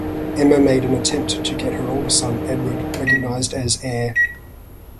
Emma made an attempt to get her oldest son, Edward, recognized as heir.